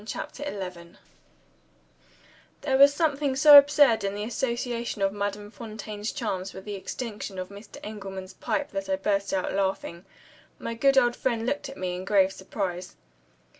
CHAPTER XI There was something so absurd in the association of Madame Fontaine's charms with the extinction of Mr. Engelman's pipe, that I burst out laughing. My good old friend looked at me in grave surprise.